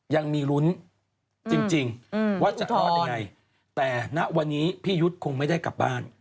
ยังมีลุ้นจริงว่าจะคลอดยังไงแต่ณวันนี้พี่ยุทธ์คงไม่ได้กลับบ้าน